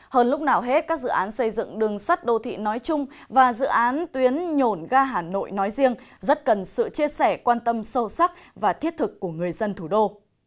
hơn lúc nào hết các dự án xây dựng đường sắt đô thị nói chung và dự án tuyến nhổn ga hà nội nói riêng rất cần sự chia sẻ quan tâm sâu sắc và thiết thực của người dân thủ đô